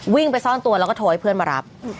ไปซ่อนตัวแล้วก็โทรให้เพื่อนมารับ